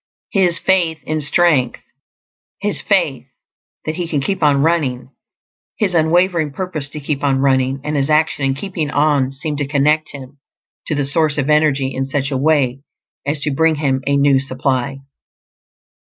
His faith in strength, his faith that he can keep on running, his unwavering purpose to keep on running, and his action in keeping on seem to connect him to the source of energy in such a way as to bring him a new supply.